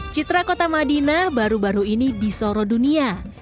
citra kota madinah baru baru ini disoro dunia